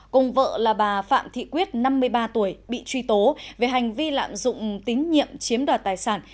cùng vợ là bà phạm thị quyết năm mươi ba tuổi bị truy tố về hành vi lạm dụng tín nhiệm chiếm đoạt tài sản